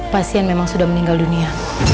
pasien memang sudah meninggal dunia